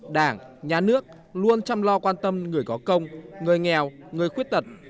đảng nhà nước luôn chăm lo quan tâm người có công người nghèo người khuyết tật